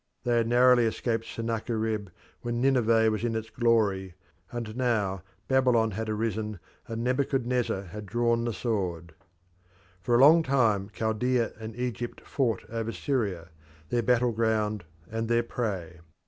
They had narrowly escaped Sennacherib when Nineveh was in its glory, and now Babylon had arisen and Nebuchadnezzar had drawn the sword. For a long time Chaldea and Egypt fought over Syria, their battle ground and their prey.